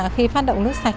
khi phát động nước sạch